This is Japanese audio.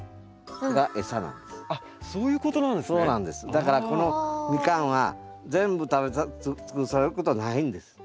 だからこのミカンは全部食べ尽くされることはないんです。